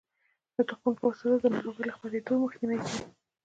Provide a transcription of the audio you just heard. د تخمونو پاک ساتل د ناروغیو له خپریدو مخنیوی کوي.